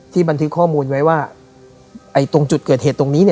บันทึกข้อมูลไว้ว่าตรงจุดเกิดเหตุตรงนี้